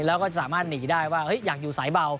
แล้วก็จะสามารถหนีได้ว่าอยากอยู่สายเบา